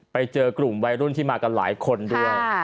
ไปเจอกลุ่มวัยรุ่นที่มากันหลายคนด้วย